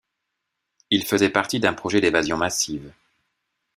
Il faisait partie d'un projet d'évasion massive.